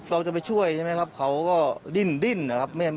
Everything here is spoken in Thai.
เราจะไปช่วยใช่ไหมครับเขาก็ดิ้นนะครับ